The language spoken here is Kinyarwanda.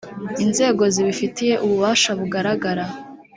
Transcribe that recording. inzego zibifitiye ububasha bugaragara.